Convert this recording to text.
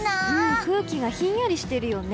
空気がひんやりしているよね。